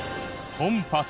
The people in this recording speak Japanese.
コンパス。